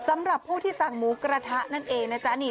สำหรับผู้ที่สั่งหมูกระทะนั่นเองนะจ๊ะนี่